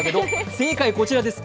正解はこちらです。